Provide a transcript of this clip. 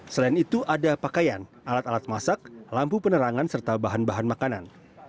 selain itu ada pakaian alat alat masak lampu penerangan serta bahan bahan makanan